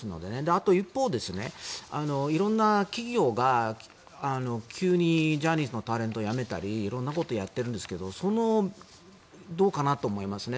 あと一方、色んな企業が急にジャニーズのタレントをやめたり色んなことをやっているんですがそれもどうかなと思いますね。